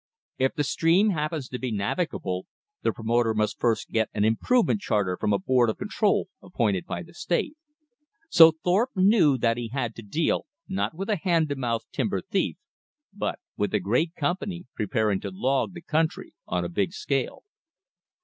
If the stream happens to be navigable, the promoter must first get an Improvement Charter from a board of control appointed by the State. So Thorpe knew that he had to deal, not with a hand to mouth timber thief, but with a great company preparing to log the country on a big scale.